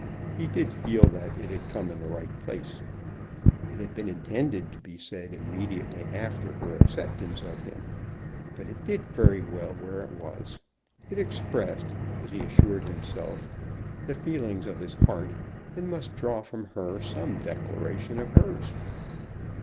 He did feel that it had come in the right place. It had been intended to be said immediately after her acceptance of him. But it did very well where it was. It expressed, as he assured himself, the feelings of his heart, and must draw from her some declaration of hers.